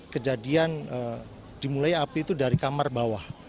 kejadian dimulai api itu dari kamar bawah